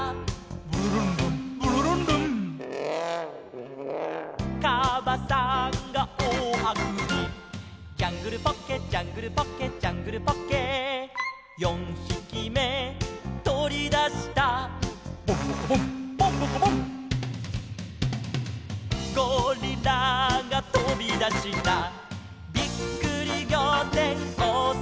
「ブルルンルンブルルンルン」「かばさんがおおあくび」「ジャングルポッケジャングルポッケ」「ジャングルポッケ」「四ひきめとり出した」「ボンボコボンボンボコボン」「ゴリラがとび出した」「びっくりぎょうてんおおさわぎ」